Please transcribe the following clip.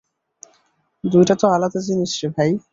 দুইটা তো আলাদা জিনিস রে ভাই।